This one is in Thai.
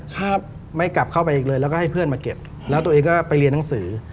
ครับไม่กลับเข้าไปอีกเลยแล้วก็ให้เพื่อนมาเก็บแล้วตัวเองก็ไปเรียนหนังสือ